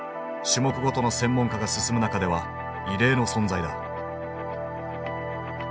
種目ごとの専門化が進む中では異例の存在だ。